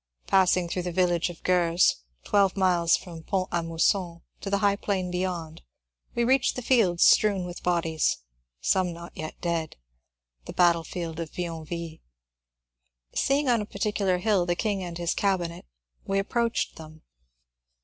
Passing through the village of Gorze, twelve miles from Font a Mous son, to the high plain beyond, we reached fields strewn with bodies, some not yet dead — the battlefield of VionviUe. Seeing on a particular hill the King and his Cabinet, we approached them.